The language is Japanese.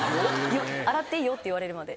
「洗っていいよ」って言われるまで。